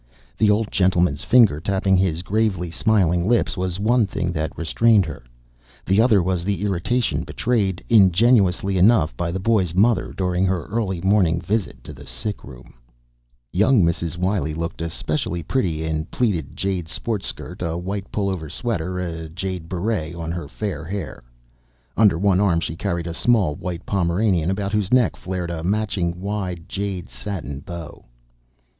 The old gentleman's finger tapping his gravely smiling lips was one thing that restrained her; the other was the irritation betrayed, ingenuously enough, by the boy's mother during her early morning visit to the sickroom. Young Mrs. Wiley looked especially pretty in a pleated jade sports skirt, a white pullover sweater, a jade beret on her fair hair. Under one arm she carried a small white Pomeranian about whose neck flared a matching wide jade satin bow.